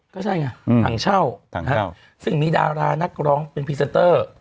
ก็ใช่ไงถังเช่าซึ่งมีดารานักร้องเป็นพรีเซนเตอร์